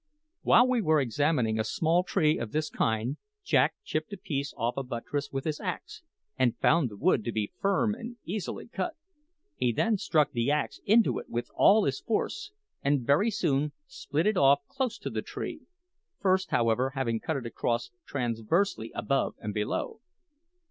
While we were examining a small tree of this kind Jack chipped a piece off a buttress with his axe, and found the wood to be firm and easily cut. He then struck the axe into it with all his force, and very soon split it off close to the tree first, however, having cut it across transversely above and below.